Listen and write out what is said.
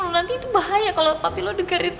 nanti itu bahaya kalo papi lo dengerin